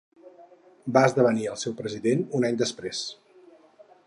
Va esdevenir el seu president un any després.